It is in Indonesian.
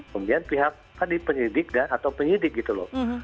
kemudian pihak tadi penyidik atau penyidik gitu loh